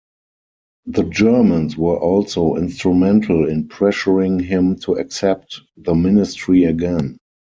The Germans were also instrumental in pressuring him to accept the Ministry again.